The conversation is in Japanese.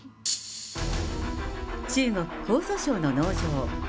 中国・江蘇省の農場。